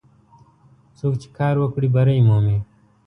څوک چې کار وکړي، بری مومي.